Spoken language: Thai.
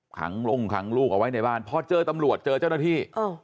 ขังลงขังลูกเอาไว้ในบ้านพอเจอตำรวจเจอเจ้าหน้าที่